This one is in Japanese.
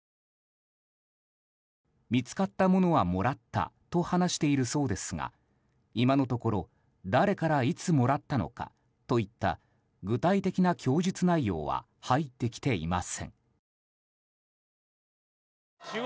見つかったものはもらったと話しているそうですが今のところ誰からいつもらったのかといった具体的な供述内容は入ってきていません。